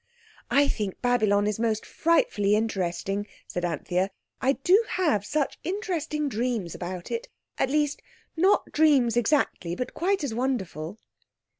"I think Babylon is most frightfully interesting," said Anthea. "I do have such interesting dreams about it—at least, not dreams exactly, but quite as wonderful."